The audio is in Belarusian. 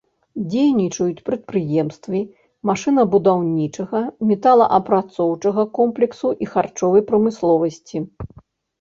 Дзейнічаюць прадпрыемствы машынабудаўнічага, металаапрацоўчага комплексу і харчовай прамысловасці.